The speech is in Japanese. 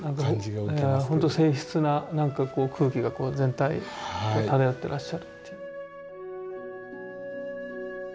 ほんと静謐な何かこう空気が全体に漂ってらっしゃるっていう。